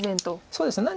そうですね。